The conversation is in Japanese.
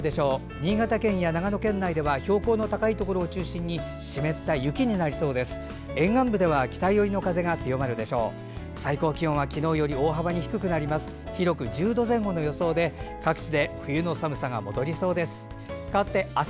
新潟県や長野県では標高の高いところを中心に湿った雪になりそうです。